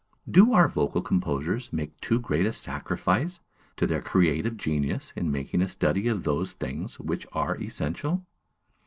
Do our vocal composers make too great a sacrifice to their creative genius in making a study of those things which are essential?